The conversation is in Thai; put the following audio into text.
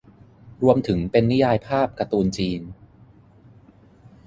รวมถึงเป็นนิยายภาพการ์ตูนจีน